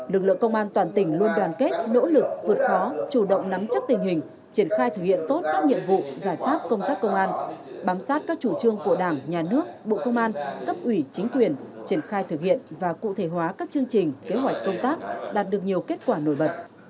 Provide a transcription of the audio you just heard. lực lượng công an toàn tỉnh luôn đoàn kết nỗ lực vượt khó chủ động nắm chắc tình hình triển khai thực hiện tốt các nhiệm vụ giải pháp công tác công an bám sát các chủ trương của đảng nhà nước bộ công an cấp ủy chính quyền triển khai thực hiện và cụ thể hóa các chương trình kế hoạch công tác đạt được nhiều kết quả nổi bật